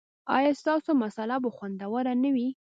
ایا ستاسو مصاله به خوندوره نه وي؟